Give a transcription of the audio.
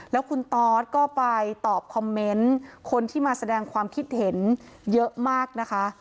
แล้วคุณตอสก็ไปตอบคอมเมนต์คนที่มาแสดงความคิดเห็นเยอะมากนะคะ